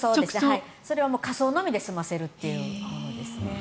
それは火葬のみで済ませるものですね。